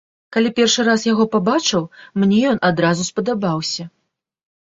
Калі першы раз яго пабачыў, мне ён адразу спадабаўся.